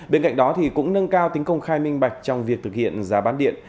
bên cạnh đó cũng nâng cao tính công khai minh bạch trong việc thực hiện giá bán điện